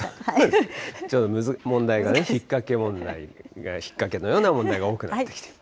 難しい、問題がね、引っ掛け問題、引っ掛けのような問題が多くなって。